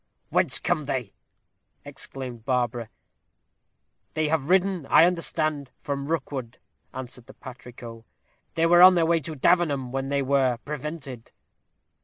"Whence come they?" exclaimed Barbara. "They have ridden, I understand, from Rookwood," answered the patrico. "They were on their way to Davenham, when they were prevented."